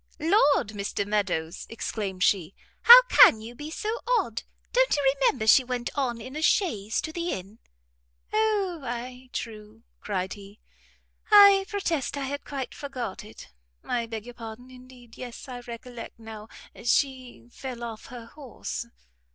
"Lord, Mr Meadows," exclaimed she, "how can you be so odd? Don't you remember she went on in a chaise to the inn?" "O, ay, true," cried he; "I protest I had quite forgot it; I beg your pardon, indeed. Yes, I recollect now, she fell off her horse."